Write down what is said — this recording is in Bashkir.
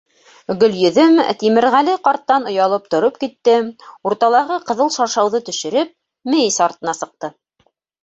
Гөлйөҙөм Тимерғәле ҡарттан оялып тороп китте, урталағы ҡыҙыл шаршауҙы төшөрөп, мейес артына сыҡты.